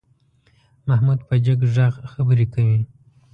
محمود په جګ غږ خبرې کوي.